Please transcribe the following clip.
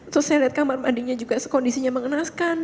terus saya lihat kamar mandinya juga kondisinya mengenaskan